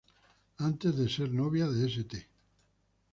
Antes de ser novia de St.